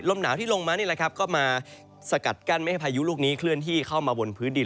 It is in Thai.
หนาวที่ลงมานี่แหละครับก็มาสกัดกั้นไม่ให้พายุลูกนี้เคลื่อนที่เข้ามาบนพื้นดิน